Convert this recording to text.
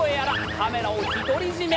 カメラを独り占め。